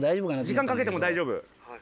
時間かけても大丈夫？